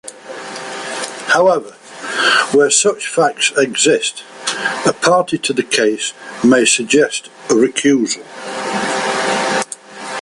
However, where such facts exist, a party to the case may suggest recusal.